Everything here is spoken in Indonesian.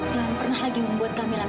jangan pernah lagi membuat kamila menangis